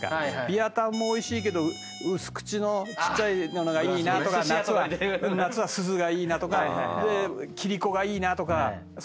ビアタンもおいしいけど薄口のちっちゃいのがいいなとか夏はスズがいいなとか切り子がいいなとか。